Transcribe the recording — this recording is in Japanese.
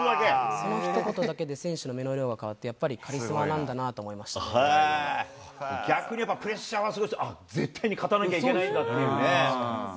そのひと言だけで選手の目の色が変わって、やっぱりカリスマ逆に言えば、プレッシャーはすごいですよ、あっ、絶対に勝たなきゃいけないんだっていうね。